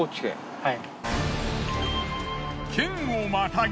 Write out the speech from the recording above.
はい。